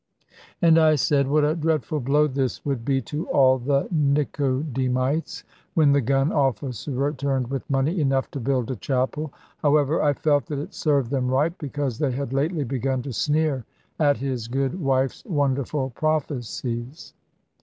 And I said what a dreadful blow this would be to all the Nicodemites, when the gun officer returned with money enough to build a chapel: however, I felt that it served them right, because they had lately begun to sneer at his good wife's wonderful prophecies.